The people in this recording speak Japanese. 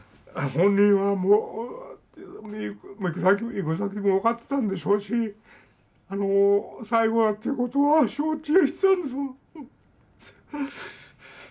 本人はもう行く先も分かってたんでしょうしあの最後だっていうことは承知してたんですもん。